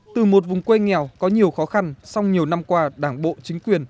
từ một vùng quê nghèo có nhiều khó khăn song nhiều năm qua đảng bộ chính quyền